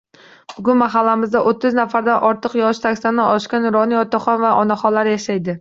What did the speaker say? Bugun mahallamizda o'ttiz nafardan ortiq yoshi saksondan oshgan nuroniy otaxon va onaxonlar yashaydi